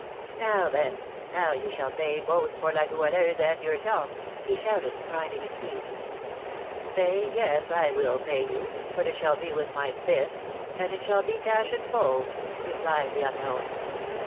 "Now, then, now you shall pay both for La Goualeuse and yourself!" he shouted, grinding his teeth. "Pay! yes, I will pay you, but it shall be with my fists; and it shall be cash in full," replied the unknown.